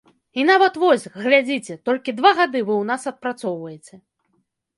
І нават вось, глядзіце, толькі два гады вы ў нас адпрацоўваеце.